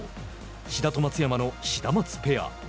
志田と松山のシダマツペア。